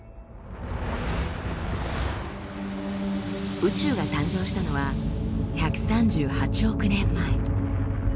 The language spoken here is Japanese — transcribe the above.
宇宙が誕生したのは１３８億年前。